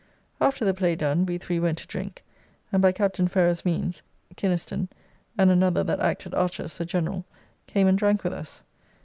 After the play done, we three went to drink, and by Captain Ferrers' means, Kinaston and another that acted Archas, the General, came and drank with us.